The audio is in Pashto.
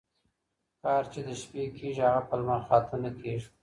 کار چي د شپې کيږي هغه په لمرخاته ،نه کيږي